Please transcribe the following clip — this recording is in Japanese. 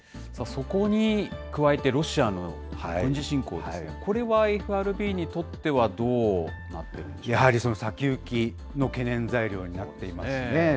そこに加えて、ロシアの軍事侵攻ですが、これはＦＲＢにとっては、どうなっていやはり、先行きの懸念材料になっていますね。